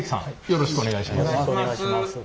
よろしくお願いします。